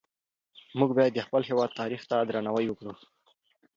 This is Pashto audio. موږ باید د خپل هېواد تاریخ ته درناوی وکړو.